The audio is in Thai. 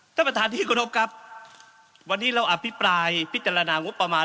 ท่านประทานพิโขนกลับวันนี้เราอภิปรายพิจารณางุปประมาณ